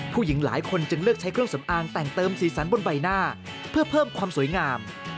ผู้หญิงหลายคนจึงเลือกใช้เครื่องสำอางแต่งเติมสีสันบนใบหน้าเพื่อเพิ่มความสวยงาม